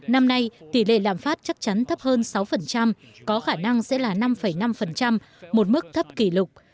năm nay tỷ lệ lạm phát chắc chắn thấp hơn sáu có khả năng sẽ là năm năm một mức thấp kỷ lục